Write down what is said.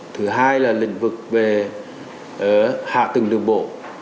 thứ hai là lĩnh vực về hạ tầng đường bộ